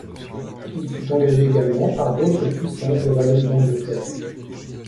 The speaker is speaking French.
Il fut engagé également par d'autres puissants du Royaume d'Angleterre.